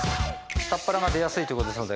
下っ腹が出やすいということですので。